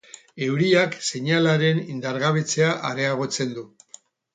Euriak seinalearen indargabetzea areagotzen du.